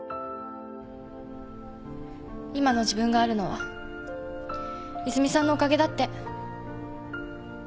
今の自分があるのは泉さんのおかげだって。